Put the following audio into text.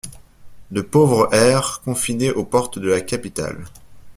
De pauvres hères confinés aux portes de la capitale